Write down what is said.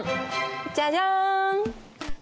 じゃじゃん。